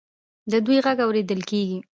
د دوی غږ اوریدل کیږي.